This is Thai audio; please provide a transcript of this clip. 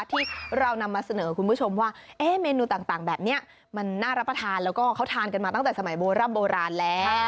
ที่เรานำมาเสนอคุณผู้ชมว่าเมนูต่างแบบนี้มันน่ารับประทานแล้วก็เขาทานกันมาตั้งแต่สมัยโบร่ำโบราณแล้ว